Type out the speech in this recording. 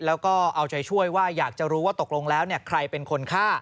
แล้วก็เอาใจช่วยว่าอยากจะรู้ว่าตกลงแล้วใครเป็นคนฆ่า